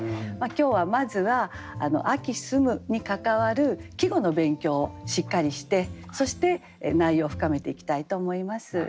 今日はまずは「秋澄む」に関わる季語の勉強をしっかりしてそして内容を深めていきたいと思います。